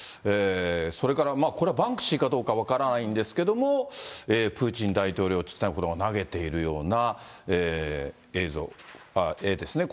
それから、これ、バンクシーかどうか分からないんですけども、プーチン大統領をちっちゃい子が投げているような映像、絵ですね。